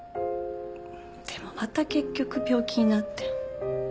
でもまた結局病気になって。